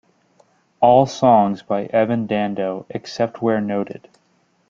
All songs by Evan Dando except where noted.